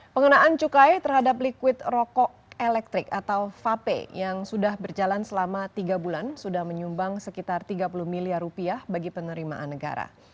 pengenaan cukai terhadap likuid rokok elektrik atau vape yang sudah berjalan selama tiga bulan sudah menyumbang sekitar tiga puluh miliar rupiah bagi penerimaan negara